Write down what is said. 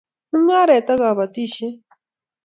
Mung'aret ak kabatishet